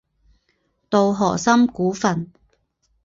稻荷森古坟。